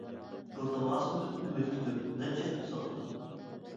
ئىلتىماسىمدىن ئۈمىد كۈتۈپ، نەچچە ھەپتە ساقلىدىم.